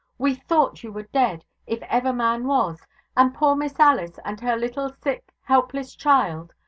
We thought you were dead, if ever man was, and poor Miss Alice and her little sick, helpless child!